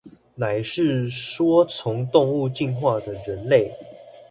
乃是說從動物進化的人類